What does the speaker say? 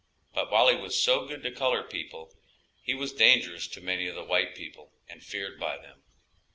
But while he was so good to colored people, he was dangerous to many of the white people and feared by them.